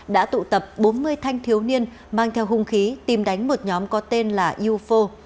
đã tụ tập bốn mươi thanh thiếu niên mang theo hung khí tìm đánh một nhóm có tên là ufo